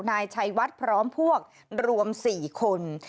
นายชัยวัดพร้อมพวกรวม๔คน